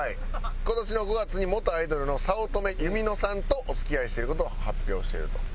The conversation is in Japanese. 今年の５月に元アイドルの早乙女ゆみのさんとお付き合いしている事を発表していると。